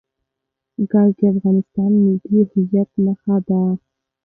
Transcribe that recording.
ګاز د افغانستان د ملي هویت نښه ده.